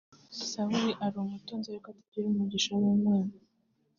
Sawuli ari umutunzi ariko atagira umugisha w’Imana